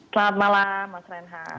selamat malam mas renhat